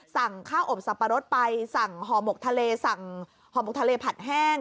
สั่งข้าวอบสับปะรดไปสั่งห่อหมกทะเลสั่งห่อหมกทะเลผัดแห้ง